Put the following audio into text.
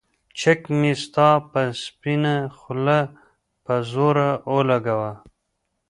چک مې ستا پۀ سپينه خله پۀ زور اولګوو